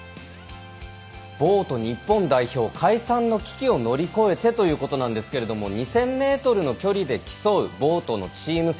ボート日本代表、解散の危機を乗り越えてということなんですけれども２０００ｍの距離で競うボートのチーム戦。